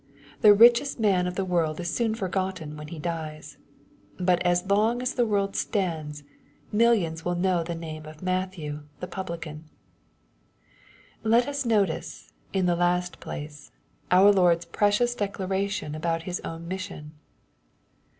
The richest man of the world is soon forgotten when he dies. But as long as the world stands, millions will know the name of Matthew the publican. Let us notice, in the last place, our Lord's precious declaration about His own mission.